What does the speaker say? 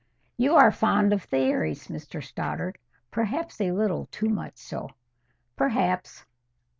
"You are fond of theories, Mr Stoddart—perhaps a little too much so." "Perhaps."